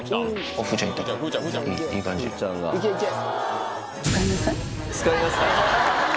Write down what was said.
いけいけ。